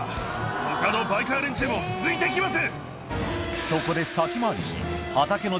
他のバイカー連中も続いていきます。